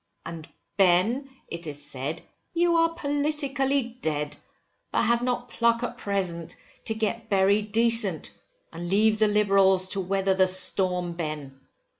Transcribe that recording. And Ben, it is said, you are politically dead, but have not pluck at present, to get buried decent, and leave the Liberals to weather the storm, Ben.